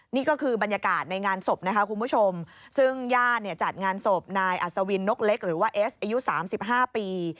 นี่ก็คือบรรยากาศในงานศพนะคะคุณผู้ชมซึ่งญาติเนี่ยจัดงานศพนายอัศวินนกเล็กหรือว่าเอสอายุ๓๕ปี